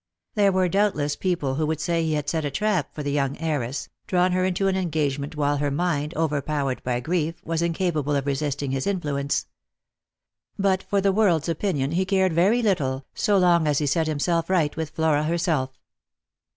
There were doubtless people who would say he had set a trap for the young heiress, drawn her into an engagement while her mind, overpowered by grief, was incapable of resisting his influence. But for the world's opinion he cared very little, so long as he set himself right with Flora herself.